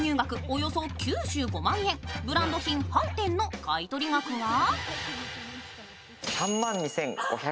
およそ９５万円、ブランド品８点の買い取り額は？